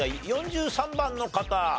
４３番の方